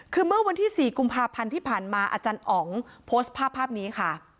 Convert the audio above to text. คือเมื่อวันที่๔กุมภาพันธ์ที่ผ่านมาอาจารย์อ๋องโพสต์ภาพภาพนี้ค่ะ